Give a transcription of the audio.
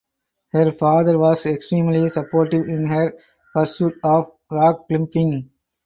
Her father was extremely supportive in her pursuit of rock climbing.